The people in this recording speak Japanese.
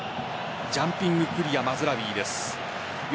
ジャンピングクリアマズラウィです。